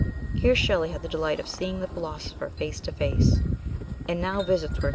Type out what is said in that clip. Here Shelley had the delight of seeing the philosopher face to face, and now visits were SHELLEY.